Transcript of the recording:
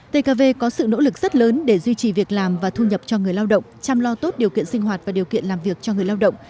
tkv có sự nỗ lực rất lớn để duy trì việc làm và thu nhập cho người lao động chăm lo tốt điều kiện sinh hoạt và điều kiện làm việc cho người lao động